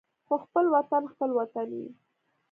خو خپل وطن خپل وطن وي.